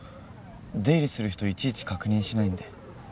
出入りする人いちいち確認しないんで。